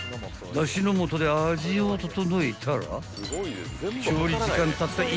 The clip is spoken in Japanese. ［だしの素で味を調えたら］